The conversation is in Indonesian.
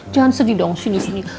jangan sedih dong sini sini